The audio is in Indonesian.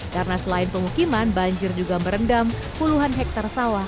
karena selain pengukiman banjir juga merendam puluhan hektare sawah